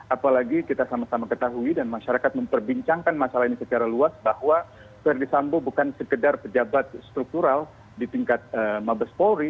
apalagi kita sama sama ketahui dan masyarakat memperbincangkan masalah ini secara luas bahwa ferdisambo bukan sekedar pejabat struktural di tingkat mabes polri